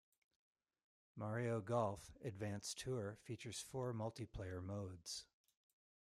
"Mario Golf: Advance Tour" features four multiplayer modes.